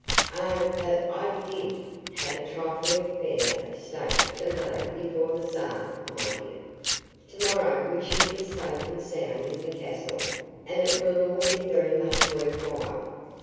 "Oh, but I did have a trifling affair of state to lay before the Czar, my dear. To morrow we shall be safe and sound in the castle and it will all be very much worth while.